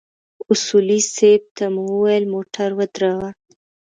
اصولي صیب ته مو وويل موټر ودروه.